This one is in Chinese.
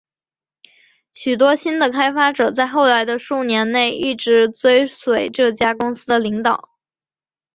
许多新的开发者在后来的数年内一直追随这家公司的领导。